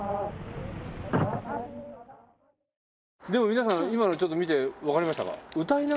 皆さん今のちょっと見て分かりましたか？